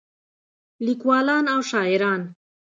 لیکولان او شاعران